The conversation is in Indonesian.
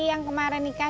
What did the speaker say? yang kemarin nikah